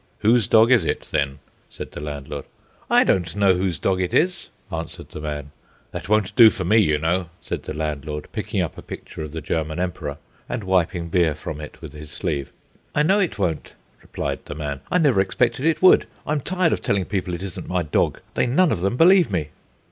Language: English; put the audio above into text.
"Whose dog is it then?" said the landlord. "I don't know whose dog it is," answered the man. "That won't do for me, you know," said the landlord, picking up a picture of the German Emperor, and wiping beer from it with his sleeve. "I know it won't," replied the man; "I never expected it would. I'm tired of telling people it isn't my dog. They none of them believe me."